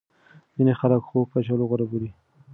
ځینې خلک خوږ کچالو غوره بولي.